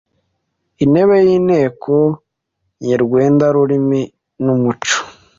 Intebe y’ Inteko Nyerwende y’Ururimi n’Umuco